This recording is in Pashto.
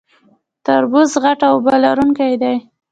تربوز غټ او اوبه لرونکی دی